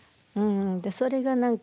それが何か。